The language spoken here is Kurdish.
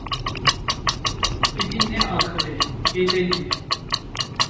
Êdî neaxive, bêdeng be.